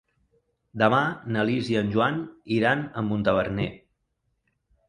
Demà na Lis i en Joan iran a Montaverner.